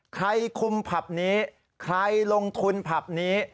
ใครคุมผับนี้ใครลงทุนผับนี้